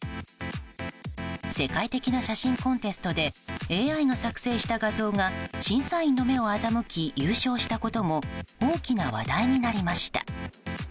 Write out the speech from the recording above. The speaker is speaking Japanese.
世界的な写真コンテストでＡＩが作成した画像が審査員の目を欺き優勝したことも大きな話題になりました。